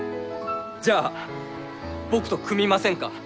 じゃあ僕と組みませんか？